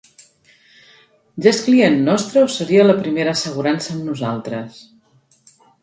Ja és client nostre, o seria la seva primera assegurança amb nosaltres?